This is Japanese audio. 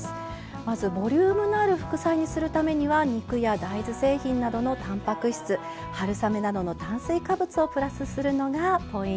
まずボリュームのある副菜にするためには肉や大豆製品などのたんぱく質春雨などの炭水化物をプラスするのがポイントでした。